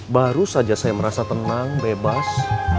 baru saja saya merasa tenang bebas